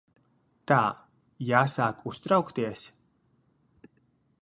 Tā. Jāsāk uztraukties?